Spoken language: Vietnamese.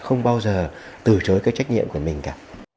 không bao giờ từ chối cái trách nhiệm của mình cả